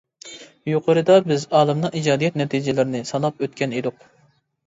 يۇقىرىدا بىز ئالىمنىڭ ئىجادىيەت نەتىجىلىرىنى ساناپ ئۆتكەن ئىدۇق.